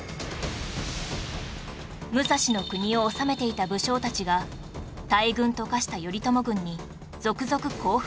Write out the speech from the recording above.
武蔵国を治めていた武将たちが大軍と化した頼朝軍に続々降伏